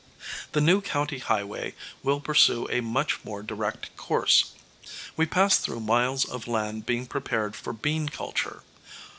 The new county highway will pursue a much more direct course. We passed through miles of land being prepared for bean culture.